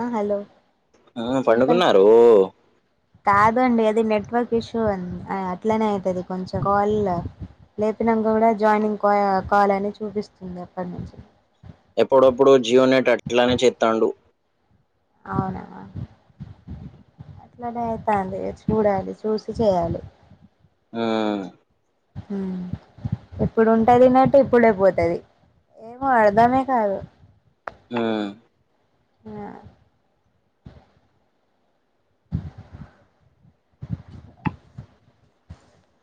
అ hello ఆ చెప్పండి పండుకున్నారు కాద్ అదండి అది నెట్వర్క్ ఇష్యూ అండి అ అట్లనే అయితది కొంచెం కాల్లో లేపినాంక కూడా జాయినింగ్ కా కాల్ అనే చూపిస్తుంది అప్పటి నుంచి ఎప్పుడప్పుడు జియో నెట్ అట్లానే చేత్తాండు అవునా అట్లనే అయితాంది చూడాలి చూసి చేయాలి మ్ మ్ ఇప్పుడుంటాది నెట్ ఇప్పుడే పోతది ఏమో అర్దమే కాదు ఆ ఆ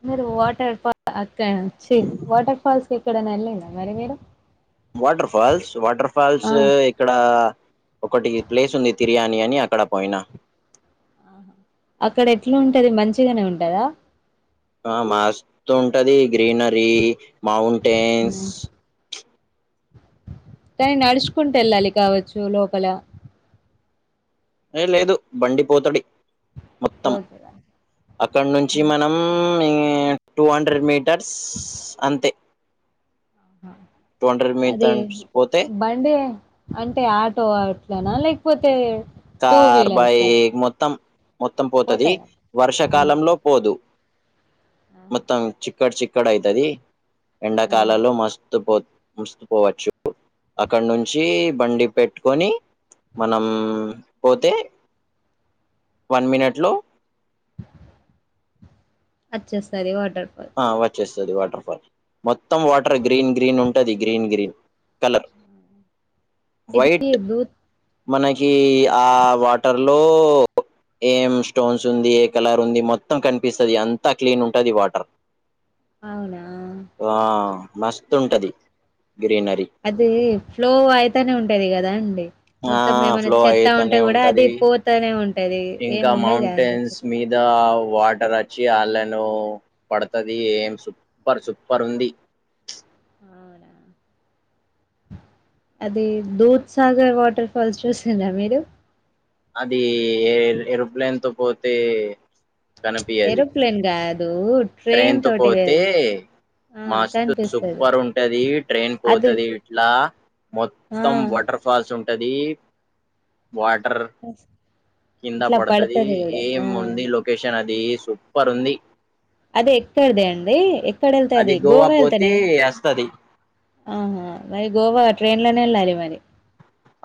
మీరు వాటర్ ఫా క్ చి వాటర్ ఫాల్సకేక్కడైనా వెళ్ళినారా మరి మీరు వాటర్ ఫాల్స్ వాటర్ ఫాల్స్ ఆ ఆహా. ఇక్కడ ఒకటి ప్లేస్ ఉంది తిర్యానీ అని అక్కడ పోయినా అక్కడ ఎట్లా ఉంటది మంచిగానే ఉంటదా ఆ మస్తుంటది గ్రీనరీ మౌంటైన్స్ ఉమ్ కానీ నడుచుకుంటూ వెళ్ళాలి కావచ్చు లోపల ఏ లేదు బండిపోతడి మొత్తం పోతు అక్కడ నుంచి మనం మ్ టూ హండ్రెడ్ మీటర్స్ అంతే టూ హండ్రెడ్ అదే మీటర్స్ పోతే బండే అన్ ఆటో అట్లనా లేకపోతే టూ కార్ వీలర్సా బైక్ మొత్తం మొత్తం పోతది పోతాయా ఆ. వర్షాకాలంలో పోదు మొత్తం చిక్కటి చిక్కడి అయితది ఆహా. ఎండాకాలలో మస్తు పోత్ మస్తు పోవచ్చు అక్కడ నుంచి బండి పెట్టుకొని మనం పోతే వన్ మినిట్లో వచ్చేస్తారివాడ్ ఆ వచ్చేస్తది వాట్ మొత్తం వాటరే గ్రీన్ గ్రీన్ ఉంటది గ్రీన్ గ్రీన్ కలర్ ఎది వైట్ దూత్ మనకి ఆ వాటర్ లో ఏం స్టోన్స్ ఉంది ఏ కలర్ ఉంది మొత్తం కనిపిస్తది అంతా క్లీన్ ఉంటది వాటర్ అవునా ఆ మస్తుంటది అది ఫ్లో అయితానే ఉంటది కదా అండి ఆ మొత్తం ఏమైనా ఫ్లో చెత్త ఉంటే అయితనే కూడా అది ఉంటది పోతనే ఉంటది ఏముండదు గా అంత చెత్త దావ్ వాటర్ వచ్చి ఆళ్ళను పడతది ఏం సుప్పర్ సూప్పర్ ఉంది అవునా [inaudible] అది దూద్సాగర్ వాటర్ ఫాల్స్ చూసిన్రా మీరు అది ఏ ఏరోప్లేన్ తో పోతే కనిపియది ఏరోప్లేన్ కాదు ట్రైన్ తో తోటి పోతే వెల్ మస్తు సూపర్ ఉంటది ట్రైన్ అది పోతది ఇట్లా ఆ మొత్తం వాటర్ ఫాల్స్ ఉంటది వాటర్ కింద ఇట్లా పడుతది పడతది కూడా ఏం ఆ ఉంది లొకేషన్ అది సుప్పర్ ఉంది అదే ఎక్కదేక్కడి అండి ఎక్కడికి వెళ్తా అది గోవా వెళ్తానే ఆహా మరి గోవా ట్రైన్ లోనే వెళ్లాలి మరి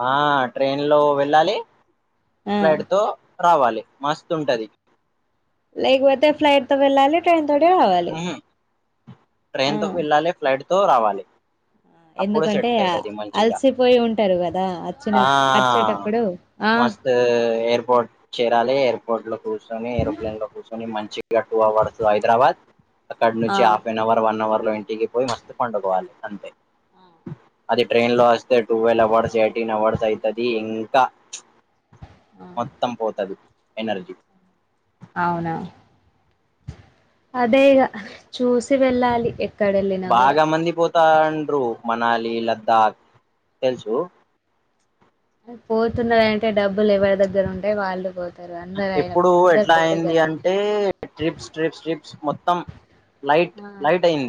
ఆ ట్రైన్ లో వెళ్ళాలి ఆ ఫ్లైట్ తో రావాలి మస్తు ఉంటది లేపోతే ఫ్లైట్ తో వెళ్లాలి ట్రైన్ తో మ్ ఆ ట్రైన్తో వెళ్ళాలి ఫ్లైట్తో రావాలి అప్పుడు సెట్ ఎందుకంటే అవుతది మంచిగా అలసిపోయి ఉంటారు కదా వచ్చిన ఆ వచ్చేటప్పుడు ఆ ఎయిర్పోర్ట్ చేరాలే ఎయిర్పోర్ట్ లో కూర్చొని ఎరోప్లేన్ లో కూర్చొని మంచిగా టూ అవర్ హైదరాబాద్ అక్కడ ఆ నుంచి half an hour one hour లో ఇంటికి పోయి మస్తు పండుకోవాలి అంతే అది ట్రైన్ లో వస్తే టువెల్ అవర్స్ ఎయిటీన్ అవర్స్ అయితది ఇంకా ఆ మొత్తం పోతది ఎనర్జీ అవునా అదే ఇగ చూసి వెళ్ళాలి ఎక్కడేళ్ళినా కూడా ఉత్తాండ్రు మనాలి లతా తెలుసు పోతున్నారు అంటే డబ్బులు ఎవరి దగ్గర ఉంటాయి వాళ్ళు పో ఎప్పుడు ఎట్లా అయింది అంటే ట్రిప్స్ ట్రిప్స్ ట్రిప్స్ మొత్తం లైట్ ఆ లైట్ అయింది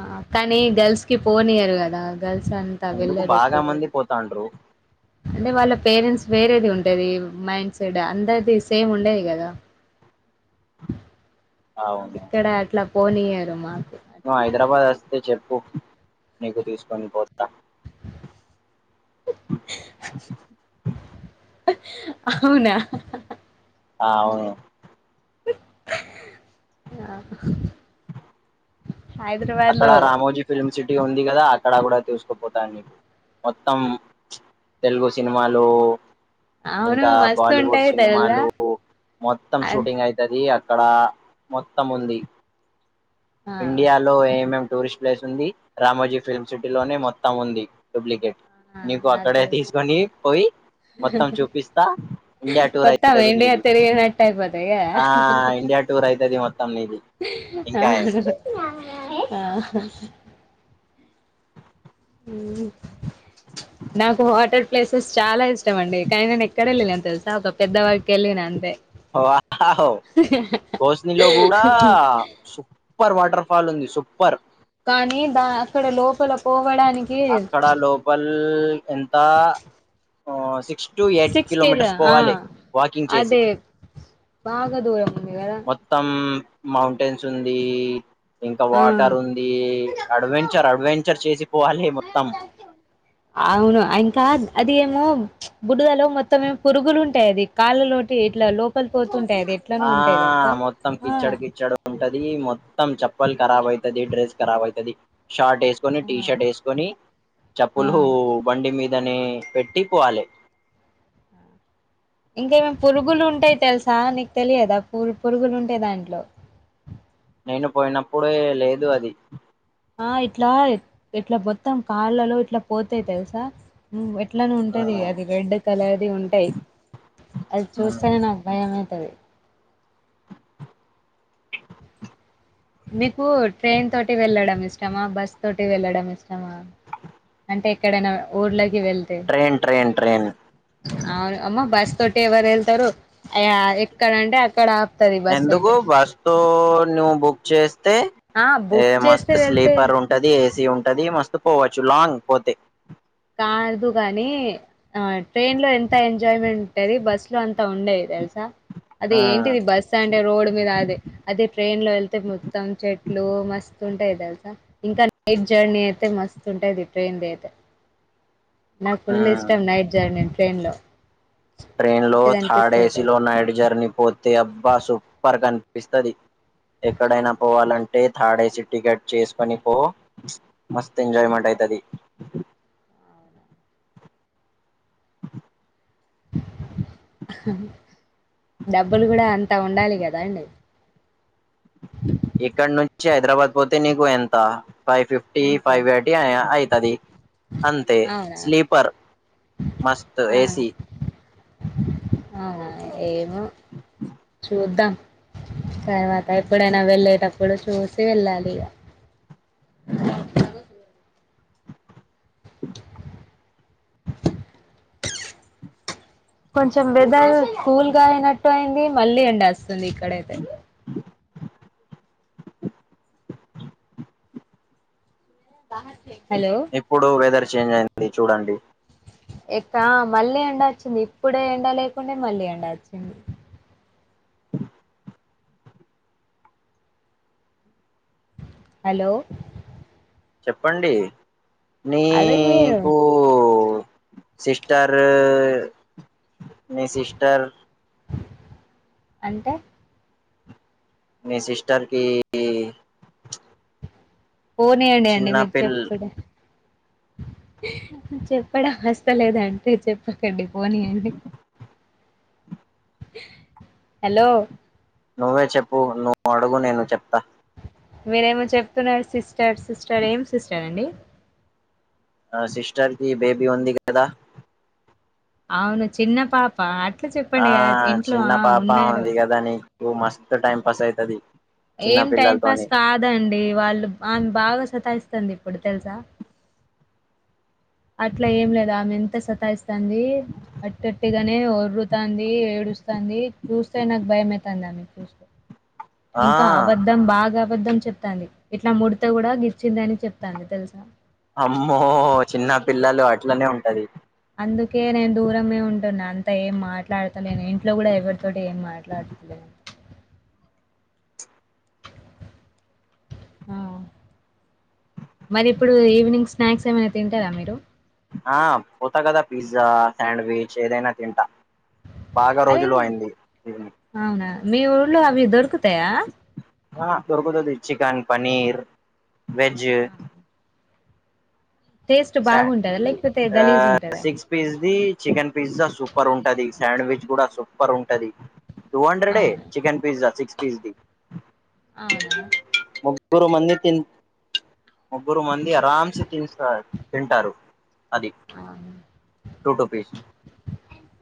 ఆ కానీ గర్ల్స్ కి పోనియ్యరు కదా గర్ల్స్ అంత ఎందుకు వెళ్ళరు బాగా ఎక్కడికి మంది పోతాండ్రు అంటే వాళ్ళ పేరెంట్స్ వేరేది ఉంటది మైండ్ సెట్ అందరిది సేమ్ ఉండది కదా అవును ఇక్కడ అట్లా పోనీయరు మాకు నువ్ అట్లా. హైదరాబాద్ వస్తె చెప్ ప్పి నికు తీసుకొని పోతా అవునా ఆ అవును ఆ అక్కడ లో రామోజీ ఫిల్మ్ సిటీ ఉంది కదా అక్కడ కూడా తీసుకుపోతాను నీకు మొత్తం తెలుగు సినిమాలు అవును ఇంకా మస్తు బాలీవుడ్ ఉంటాయి తెలుసా సినిమాలు మొత్తం ఆ షూటింగ్ అయితది అ క్కడ మొత్తం ఉంది ఆ ఇండియాలో ఏమేం టూరిస్ట్ ప్లేస్ ఉంది రామోజీ ఫిల్మ్ సిటీ లోనే మొత్తం ఉంది డూప్లికేట్ ఆ, నీకు అక్కడే అదే తీసుకొని పోయి మొత్తం చూపిస్తా ఇండియా టూర్ మొత్తం అయితది ఇండియా నీది తిరిగినట్టు అయిపోతాయి కదా ఆ ఇండియా టూర్ అవుతది మొత్తం నీది ఆ ఇంకా ఏం ఆ మ్ నాకు హాటెడ్ ప్లేసెస్ చాలా ఇష్టం అండి కానీ నేను ఎక్కడ వెళ్ళినాను తెలుసా ఒక పెద్దవ వావ్ భోసనిలో కుడా సూపర్ వాటర్ ఫాల్ ఉంది సూపర్ కానీ దా అక్కడ లోపల పోవడానికి ఏ ఎంత ఆ సి six to eight six kilo kilometres ఆ పోవాలి వాకింగ్ చేసి అదే బాగా దూరం ఉంది కదా మొత్తం మౌంటైన్స్ ఉంది ఇంకా ఆ వాటర్ ఉంది అడ్వెంచర్ అడ్వెంచర్ చేసి పోవాలి మొత్తం అవును ఇంకా అది ఏమో బుడుదలో మొత్తం ఏ పురుగులు ఉంటాయి అది కాళ్ళలోటి ఇట్లా లోపలి పోతు ఆ మొత్తం కిచ్చాడు కిచ్చాడు ఉంటది మొత్తం చెప్ప ఖరాబ్ ఇయితేది డ్రెస్ ఖరాబ్ అయితేది షార్ట్ వేసుకొని టీ ఆ షర్ట్ వేసుకొని ఆ చెప్పులు బండి మీద దని పెట్టి పోవాలి ఇంకేమమి పురుగులు ఉంటాయి తెలుసా నీకు తెలియదా పు పురుగులు ఉంటాయి దాంట్లో నేను పోయినప్పుడు లేదు అది ఆ ఇట్లా ఇట్లా మొత్తం కాళ్ళలో ఇట్లా పోతాయ్ తెలుసా అట్లనే ఉంటది అది రెడ్ కలర్ది ఉంటాయి అది చూస్తేనే నాకు భయం టాది మీకు ట్రైన్ తోటి వెళ్ళడం ఇష్టమా బస్ తోటి వెళ్ళడం ఇష్టమా అంటే ఎక్కడైనా ఊర్లకి వెళ్తే ట్రైన్ ట్రైన్ ట్రైన్ అవును అమ్మ బస్ తోటి ఎవరు వెళ్తారు అ ఎక్కడ అంటే అక్కడ ఆపుతది బస్ ఎందుకు అయితే బస్తో నువ్వు బుక్ చేసి తే ఆ ఏ బుక్ చేస్తే మస్త్ వెళ్తే స్లీపర్ ఉంటది ఏసీ ఉంటది మస్తు పోవచ్చు లాంగ్ పోతే కాదు కాగాని ఆ ట్రైన్ లో ఎంత ఎంజాయ్మెంట్ ఉంటుంది బస్ లో అంత ఉండేదీ తెలుసా అది ఆ ఏంటిది బస్ అంటే రోడ్ మీద అది అద ట్రైన్ లో వెళ్తే మొత్తం చె ఇట్లు మస్తుంటాయి తెలుసా ఇంకా నైట్ జర్నీ అయితే మస్తు ఉంటాది ట్రైన్ది అయితే నాకు ఆ ఫుల్ ఇష్టం నైట్ జర్నీ ట్రైన్ లో ట్రైన్ లో మంచిగా థాడ్ ఏసి అనిపిస్తది లో నైట్ జర్నీ పోతే అబ్బా సూపర్గా కనిపిస్తుది ఎక్కడైనా పోవాలంటే థర్డ్ ఏసీ టికెట్ చేసుకొని పో మస్త్ ఎంజాయమెంట్ అయితేది డబ్బులు కూడా అంతా ఉండాలి కదా అండి ఇక్కడ నుంచి హైదరాబాద్ పోతే నీకు ఎంత ఫైవ్ ఫిఫ్టీ ఎంత ఫైవ్ ఎర్టీ అయితది అంతే అవునా స్లీపర్ మస్త్ ఆ ఏసి అవునా ఏమో చూద్దాం తర్వాత ఎప్పుడైనా వెళ్ళేటప్పుడు చూసి వెళ్ళాలి ఇక కొంచెం వెదర్ కూల్ గా అయినట్టు అయింది మళ్ళీ ఎండేస్తుంది ఇక్కడైతే హలో ఇప్పుడు వెదర్ చేంజ్ అయింది చూడండి ఇక్క ఆ మళ్ళీ ఎండ వచ్చింది ఇప్పుడే ఎండ లేకుంటే మళ్ళీ ఎండ వచ్చింది హలో చెప్పండి అదే మీరు నీకు సిస్టర్ మీ సిస్టర్ అంటే మీ సిస్టర్కి పోనీయండి అండి మీరు చెప్పుడ్ చెప్పడం వస్త లేదంటే చెప్పకండి పోనీయండి హలో నువ్వే చెప్పు నువ్వు అడుగు నేను చెప్తా మీరేమో చెప్తున్నారు సిస్టర్ సిస్టర్ ఏం సిస్టర్ అండి ఆ సిస్టర్ కి బేబీ ఉంది కదా అవును చిన్న పాపా ఆ చిన్న పాప ఉంది కదా నీకు మస్తు టైం పాస్ అయితది చిన్న ఏం టైం పాస్ పిల్లలతోని కాదండి వాళ్ళు ఆమే ను బాగా సత్తాస్తుంది ఇప్పుడు తెలుసా అట్లా ఏం లేదుా ఆమె ఎంత సతాయిస్తంది అట్టట్టిగాని అ ఒర్రుతాంది ఏడుస్తుంది చూస్తే నాకు భయమవుతాంది ఆమెకు చూస్తే ఆ ఇంకా అబద్దం బాగా అబద్ధం చెప్తంది ఇట్లా మూడిత కూడా గిచిందని చెప్తాంది తెలుసా అమ్మో చిన్న పిల్లలు అట్లనే ఉంటది న్న అంతా ఏం మాట్లాడతలేను ఇంట్లో కూడా ఎవరితోటి ఏం మాట్లాడుతలేను ఆ మరి ఇప్పుడు ఈవినింగ్ స్నాక్స్ ఏమైనా తింటారా మీరు ఆ పోతా కదా పిజ్జా శాండ్విచ్ ఏదైనా తింటా బాగా అదే రోజులు అయింది అవునా మీ ఊళ్లో అవి దొరుకుతాయా ఆ దొరుకుతాది చికెన్ పన్నీర్ వెజ్ ఆ. టేస్ట్ స బాగుంటదా లేకపోతే ఆ గలీజ్ ఉంటదా? సిక్స్ పీస్ది చికెన్ పిజ్జా సూపర్ ఉంటది శాండ్విచ్ కూడా సూపర్ ఉంటది టూ హండ్రెడ్ అవునా చికెన్ పిజ్జా సి పిస్ ది అవునా ముగురు మంది తిం ముగ్గురు మంది అరమ్స్ తిం తింటారు అది టూ టూ పీస్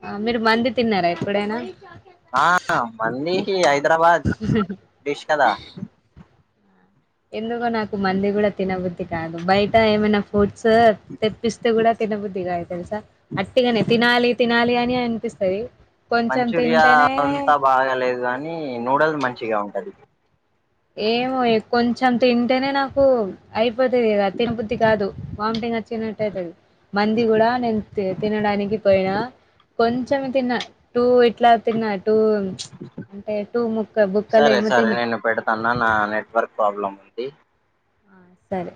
ఆ మీరు మంది తిన్నారా ఎప్పుడైనా ఆ మందికి హైదరాబాద్ డిష్ కదా ఎందుకో నాకు మంది కూడా తినబుద్ది కాదు బయట ఏమైనా ఫుడ్స్ తెప్పిస్తే కూడా తి నబుద్ధి గాదు తెల్స అట్టిగానే తినాలి తినాలి అని అనిపిస్తది కొంచెం మంచూరియా తింటేనే అంతా బాగాలేదు కానీ నూడుల్ మం మంచిగా ఉంటది ఏమో ఇగ కొంచెం తింటేనే నాకు అయిప్ పోతది కదా తినబుద్ది కాదు వామిటింగ్ వచ్చినట్టయితది మంది కూడా నేను తిం తినడానికి పోయినా కొంచెమె తిన్నా టూ ఇట్ల తిన్న టూ అంటే టూ ముక్క బుక్కలు సరే ఏమో సరే తిన్న నేను పెడతాను నా నెట్వర్క్ ప్రాబ్లమ్ ఉంది ఆ, సరే